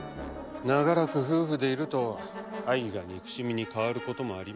長らく夫婦でいると愛が憎しみに変わることもあります。